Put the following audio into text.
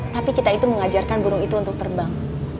tapi kita itu mengajarkan burung itu untuk terbang